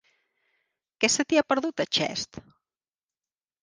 Què se t'hi ha perdut, a Xest?